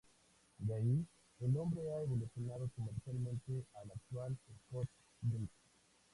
De ahí, el nombre ha evolucionado comercialmente al actual Scotch-Brite.